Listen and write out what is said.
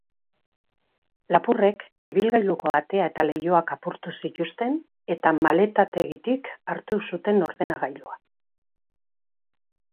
Lapurrek ibilgailuko atea eta leihoak apurtu zituzten, eta maletategitik hartu zuten ordenagailua.